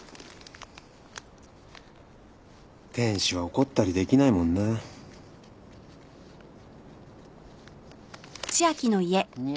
天使は怒ったりできないもんな。ニャー。